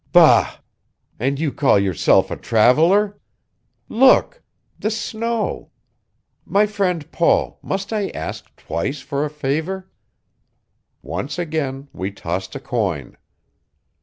"Bah! And you call yourself a traveler? Look! The snow! My friend Paul, must I ask twice for a favor?" Once again we tossed a coin.